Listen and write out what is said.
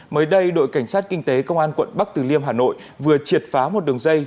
mới đây đội cảnh sát kinh tế công an quận bắc từ liêm hà nội vừa triệt phá một đường dây